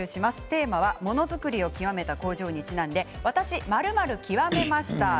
テーマは、ものづくりを極めた工場にちなんで私○○極めました。